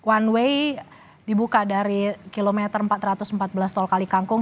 one way dibuka dari kilometer empat ratus empat belas tol kalikangkung